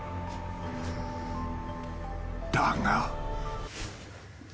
［だが］